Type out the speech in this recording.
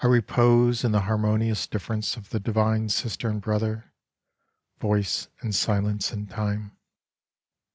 — 1 repose in the harmonious difference of the divine Sister and Brother, — ^Voice and Silence in Time.